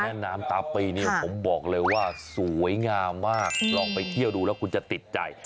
แม่น้ำตาปีเนี่ยผมบอกเลยว่าสวยงามมากลองไปเที่ยวดูแล้วคุณจะติดใจ